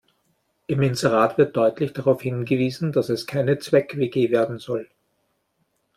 Im Inserat wird deutlich darauf hingewiesen, dass es keine Zweck-WG werden soll.